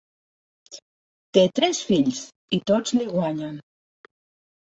Té tres fills, i tots li guanyen.